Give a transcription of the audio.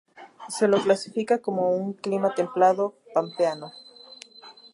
Se lo clasifica como clima templado pampeano.